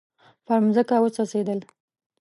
پر مځکه وڅڅیدل